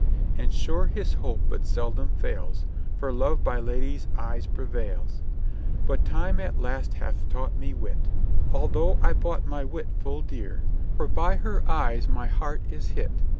And sure his hope but seldom fails, For love by ladies' eyes prevails. But time at last hath taught me wit, Although I bought my wit full dear ; For by her eyes my heart is hit.